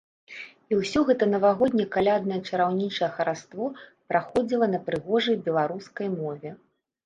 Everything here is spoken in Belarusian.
І ўсё гэта навагодне-каляднае чараўнічае хараство праходзіла на прыгожай беларускай мове.